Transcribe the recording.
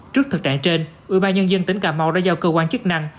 trước thực trạng trên ubnd tỉnh cà mau đã giao cơ quan chức năng